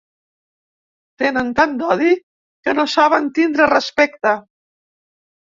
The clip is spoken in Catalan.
Tenen tant d'odi que no saben tindre respecte.